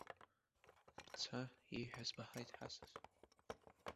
Бца, ииҳәаз баҳаит ҳасас.